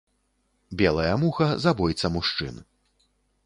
Белая муха, забойца мужчын.